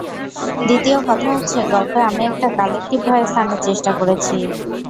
দ্বিতীয় কথা হচ্ছে, গল্পে আমি একটা কালেক্টিভ ভয়েস আনার চেষ্টা করেছি।